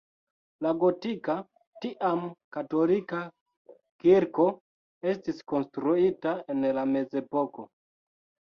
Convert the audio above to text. La gotika, tiam katolika kirko estis konstruita en la mezepoko.